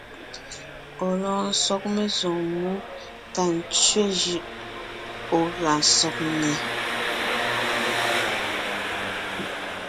Ɔ̀ lɔɔn sɔg mesoŋ mú tà ntsẅé jʉʼ ɔ̀ gʉa sɔg nnɛ́.